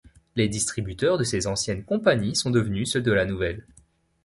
Les distributeurs de ces anciennes compagnie sont devenus ceux de la nouvelle.